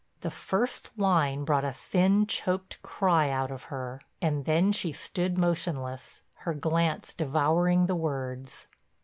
The first line brought a thin, choked cry out of her, and then she stood motionless, her glance devouring the words.